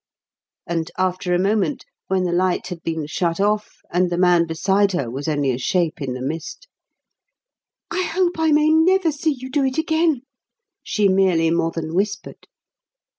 And, after a moment, when the light had been shut off and the man beside her was only a shape in the mist: "I hope I may never see you do it again," she merely more than whispered.